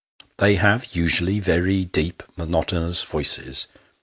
They have, usually, very deep, monotonous voices.